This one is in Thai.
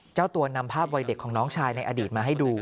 เจ้าตัวนำภาพวัยเด็กของน้องชายในอดีตมาให้ดู